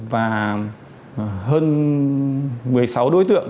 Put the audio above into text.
và hơn một mươi sáu đối tượng